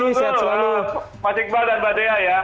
terima kasih betul betul pak iqbal dan pak dea ya